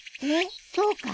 そうかい？